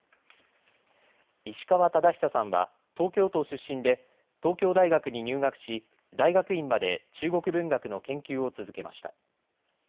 石川忠久さんは東京都出身で東京大学に入学し、大学院まで中国文学の研究を続けました。